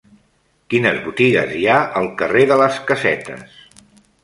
Quines botigues hi ha al carrer de les Casetes?